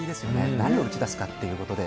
何を打ち出すかということで。